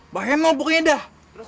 bahaya nol pokoknya dah